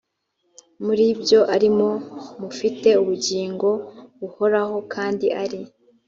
muri byo arimo mufite ubugingo buhoraho kandi ari